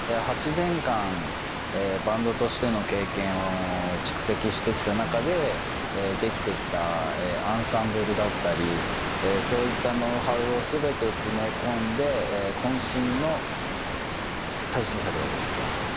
８年間バンドとしての経験を蓄積してきた中でできてきたアンサンブルだったりそういったノウハウを全て詰め込んで渾身の最新作だと思ってます。